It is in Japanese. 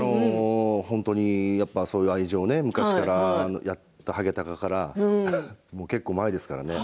本当にそういう愛情を昔からやった「ハゲタカ」から結構、前ですからね。